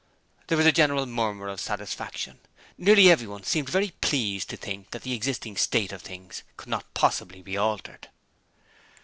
There was a general murmur of satisfaction. Nearly everyone seemed very pleased to think that the existing state of things could not possibly be altered.